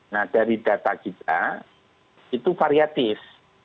nah dari data kita itu variatif